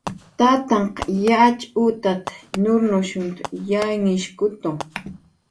"Tatanhq yatxutat"" nurnushunht"" yanhishkutu. "